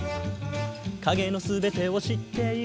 「影の全てを知っている」